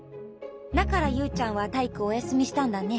だからユウちゃんはたいいくおやすみしたんだね。